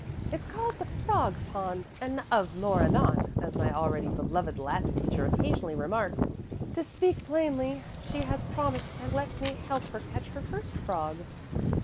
It's called the Frog Pond and 'of it more anon,' as my already beloved Latin teacher occasionally remarks. To speak plainly, she has promised to let me help her catch her first frog."